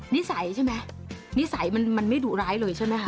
นิสัยใช่ไหมนิสัยมันไม่ดุร้ายเลยใช่ไหมคะ